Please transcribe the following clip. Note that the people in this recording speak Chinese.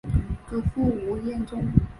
祖父吴彦忠。